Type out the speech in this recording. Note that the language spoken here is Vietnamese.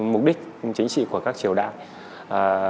mục đích chính trị của các triều đạo